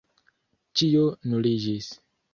Ĉio nuliĝis.